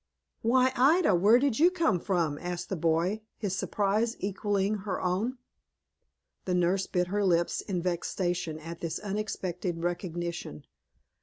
"Why, Ida, where did you come from?" asked the boy, his surprise equalling her own. The nurse bit her lips in vexation at this unexpected recognition.